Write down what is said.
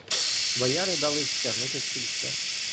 Бояри далися втягнути в сильце.